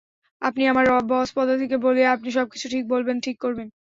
আপনি আমার বস, পদাধিকার বলেই আপনি সবকিছু ঠিক বলবেন, ঠিক করবেন।